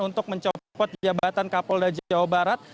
untuk mencopot jabatan kapolda jawa barat